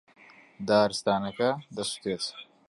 دارستانەکە دەسووتێت.